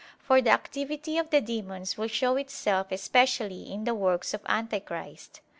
For the activity of the demons will show itself especially in the works of Antichrist.